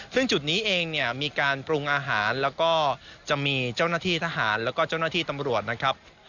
ซึ่งจุดนี้เองเนี่ยมีการปรุงอาหารแล้วก็จะมีเจ้าหน้าที่ทหารแล้วก็เจ้าหน้าที่ตำรวจนะครับ